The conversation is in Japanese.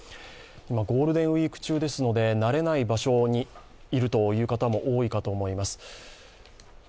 ゴールデンウイーク中ですので慣れない場所にいるという方も多いかと思います。